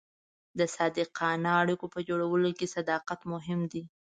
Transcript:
د صادقانه اړیکو په جوړولو کې صداقت مهم دی.